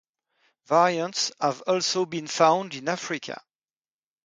Variants have also been found in Africa.